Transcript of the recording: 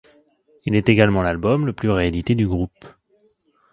Il est également l'album le plus réédité du groupe.